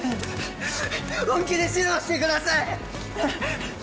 本気で指導してください！